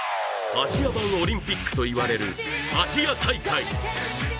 アジア版オリンピックといわれるアジア大会。